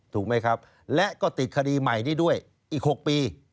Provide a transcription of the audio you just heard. ถูกไหมครับและก็ติดคดีใหม่นี้ด้วยอีก๖ปี